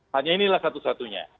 hanya inilah satu satunya